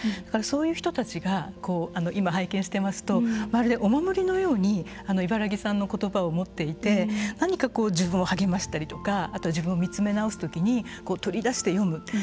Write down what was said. だからそういう人たちが今拝見してますとまるでお守りのように茨木さんの言葉を持っていて何か自分を励ましたりとか自分を見つめ直す時に取り出して読む。